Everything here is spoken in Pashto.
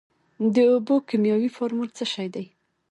د اوبو کیمیاوي فارمول څه شی دی.